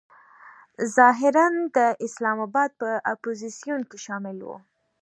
ظاهراً د اسلام آباد په اپوزیسیون کې شامل و.